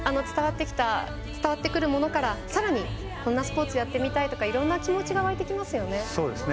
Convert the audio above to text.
伝わってくるものからさらにこんなスポーツをやってみたいとかいろんな気持ちが湧いてきますよね。